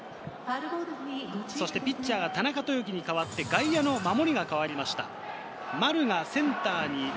ピッチャーが田中豊樹に代わって、外野の守りが代わりました。